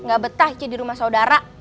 gak betah di rumah saudara